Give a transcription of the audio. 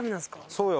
そうよ。